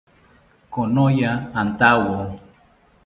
Konoya antawo